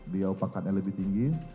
dia opakannya lebih tinggi